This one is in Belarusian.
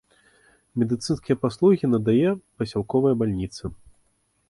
Медыцынскія паслугі надае пасялковая бальніца.